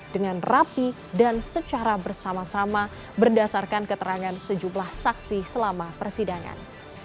dengan rapi dan secara bersama sama berdasarkan keterangan sejumlah saksi selama persidangan